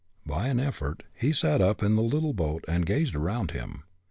By an effort he sat up in the little boat and gazed around him.